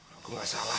aku gak salah